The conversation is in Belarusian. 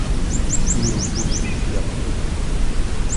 Не ўкусіш, як локаць.